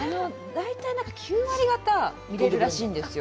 ９割方見れるらしいんですよ。